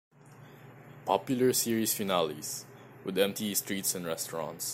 Popular series finales would empty streets and restaurants.